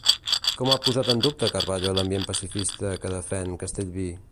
Com ha posat en dubte Carballo l'ambient pacifista que defèn Castellví?